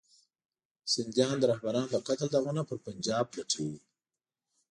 سندیان د رهبرانو د قتل داغونه پر پنجاب لټوي.